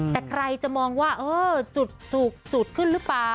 แต่ใครจะมองว่าจุดขึ้นหรือเปล่า